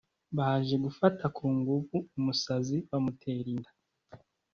Baje gufata kungufu umusazi bamutera inda